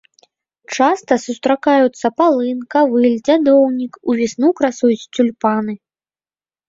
Часта сустракаюцца палын, кавыль, дзядоўнік, увесну красуюць цюльпаны.